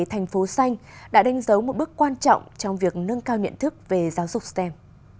thành phố xanh đã đánh dấu một bước quan trọng trong việc nâng cao nhận thức về giáo dục stem